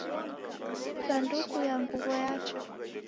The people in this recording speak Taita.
Sanduku ya nguw'o yacha